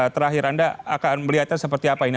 terakhir anda akan melihatnya seperti apa ini